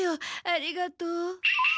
ありがとう。